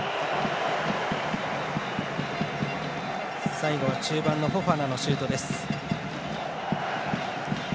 最後は中盤のフォファナのシュートでした。